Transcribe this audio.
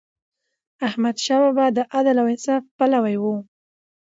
احمدشاه بابا د عدل او انصاف پلوی و.